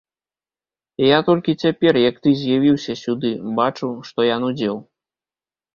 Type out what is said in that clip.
Я толькі цяпер, як ты з'явіўся сюды, бачу, што я нудзеў.